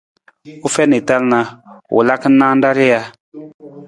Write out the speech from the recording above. U fiin i tal na, u laka naan ra rija.